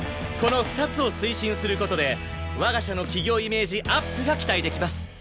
この２つを推進する事で我が社の企業イメージアップが期待できます。